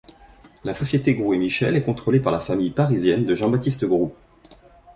La Société Grou et Michel est contrôlée par la famille parisienne de Jean-Baptiste Grou.